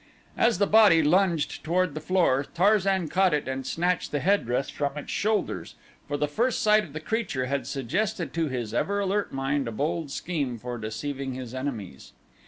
As the body lunged toward the floor Tarzan caught it and snatched the headdress from its shoulders, for the first sight of the creature had suggested to his ever alert mind a bold scheme for deceiving his enemies.